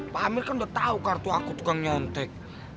pamir kan udah tau kartu aku tukang nyontek